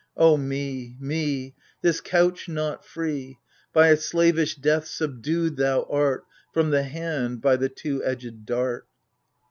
Oh, me — me ! This couch not free ! By a slavish death subdued thou art, From the hand, by the two edged dart.